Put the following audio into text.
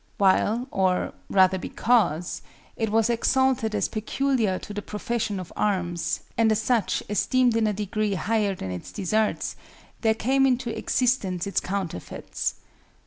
While—or rather because—it was exalted as peculiar to the profession of arms, and as such esteemed in a degree higher than its deserts, there came into existence its counterfeits.